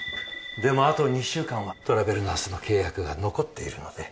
でも、あと２週間はトラベルナースの契約が残っているので。